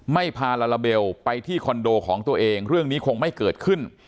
พาลาลาเบลไปที่คอนโดของตัวเองเรื่องนี้คงไม่เกิดขึ้น